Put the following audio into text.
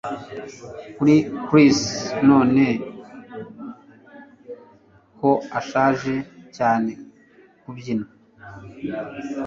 kuri chrissy none ko ashaje cyane kubyina